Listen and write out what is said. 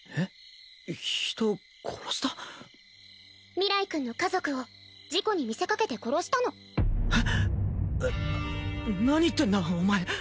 明日君の家族を事故に見せかけて殺したのえっ何言ってんだお前